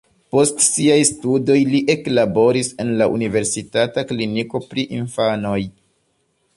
Post siaj studoj li eklaboris en la universitata kliniko pri infanoj.